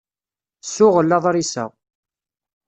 Ssuɣel aḍṛis-a.